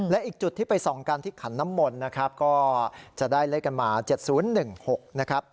และอีกจุดที่ไปส่องกันที่ขันน้ำมนต์นะครับก็จะได้เลขกันมา๗๐๑๖นะครับ